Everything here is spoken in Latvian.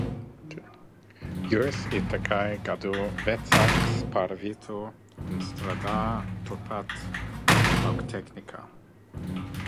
Juris ir tikai gadu vecāks par Vitu, un strādā turpat Lauktehnikā.